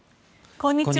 こんにちは。